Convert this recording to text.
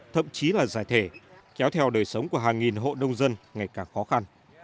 thậm chí là giải thể kéo theo đời sống của hàng nghìn hộ đông dân ngày càng khó khăn